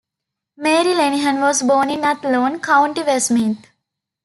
Mary Lenihan was born in Athlone, County Westmeath.